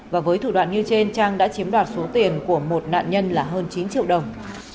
và với thủ đoạn như trên trang đã chiếm đoạt số tiền của một nạn nhân là hơn chín triệu đồng